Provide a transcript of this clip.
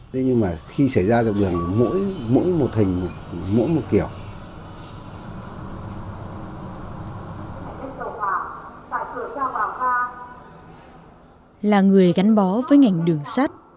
là người gắn bó với ngành đường sắt